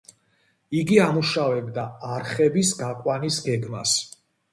იგი ამუშავებდა არხების გაყვანის გეგმას.